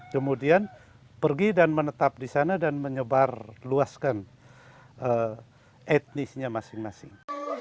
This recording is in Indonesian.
kemudian pergi dan menetap di sana dan menyebar luaskan etnisnya masing masing